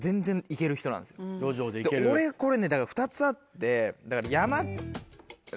俺これねだから２つあって。